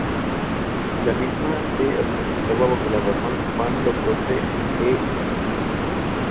Entonces Bamburgh pasó a ser propiedad de la monarquía inglesa.